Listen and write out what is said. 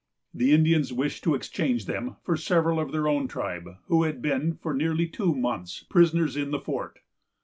The Indians wished to exchange them for several of their own tribe, who had been for nearly two months prisoners in the fort.